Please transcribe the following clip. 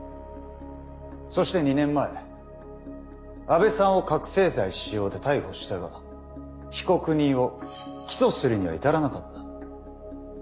そして２年前阿部さんを覚醒剤使用で逮捕したが被告人を起訴するには至らなかった。